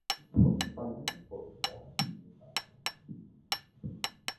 Viajó por España, Portugal e Italia.